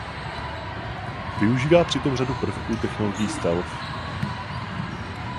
Využívá přitom řadu prvků technologií stealth.